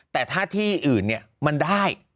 แต่ถ้าที่อื่นมันได้